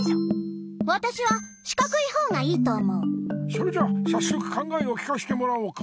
それじゃさっそく考えを聞かせてもらおうか。